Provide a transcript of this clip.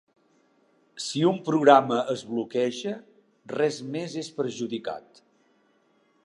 Si un programa es bloqueja, res més és perjudicat.